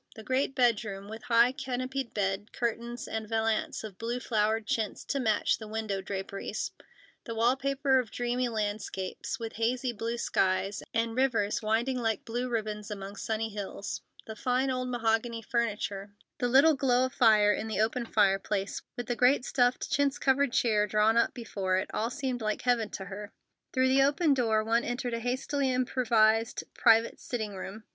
The great bedroom, with high canopied bed; curtains and valance of blue flowered chintz to match the window draperies; the wall paper of dreamy landscapes, with hazy blue skies, and rivers winding like blue ribbons among sunny hills; the fine old mahogany furniture; the little glow of fire in the open fireplace, with the great, stuffed, chintz covered chair drawn up before it—all seemed like heaven to her. Through the open door one entered a hastily improvised private sitting room.